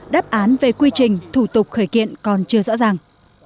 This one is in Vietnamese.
đáp án về quy trình thủ tục khởi kiện còn chưa rõ ràng